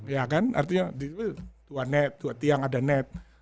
ya kan artinya dua net dua tiang ada net